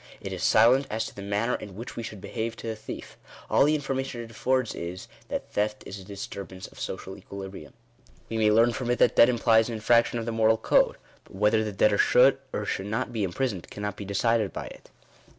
It is silent as to the manner in which we should behave to a thief; all the information it affords is, that theft is a disturbance of social equilibrium. We may learn from it that debt implies an infraction of the moral code ; but whether the debtor should or should not be imprisoned, cannot be decided by it.